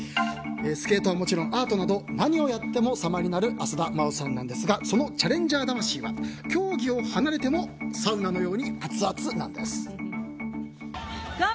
スケートはもちろんアートなど、何をやっても様になる浅田真央さんなんですがそのチャレンジャー魂は競技を離れてもサウナのようにアツアツなんです。